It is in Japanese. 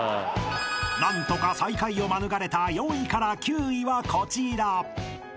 ［何とか最下位を免れた４位から９位はこちら］